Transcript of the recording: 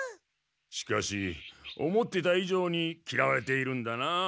しかし思ってたいじょうにきらわれているんだなあ。